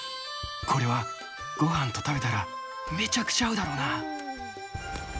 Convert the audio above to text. これはごはんと食べたらめちゃくちゃ合うだろうな。